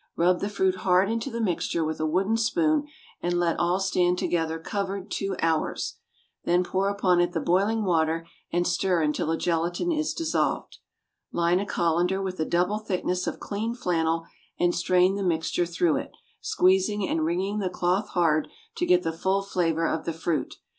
Rub the fruit hard into the mixture with a wooden spoon, and let all stand together, covered, two hours. Then pour upon it the boiling water and stir until the gelatine is dissolved. Line a colander with a double thickness of clean flannel, and strain the mixture through it, squeezing and wringing the cloth hard, to get the full flavor of the fruit.